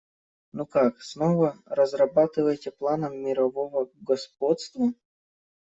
Ну как, снова разрабатываете планы мирового господства?